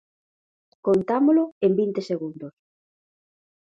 Contámolo en vinte segundos.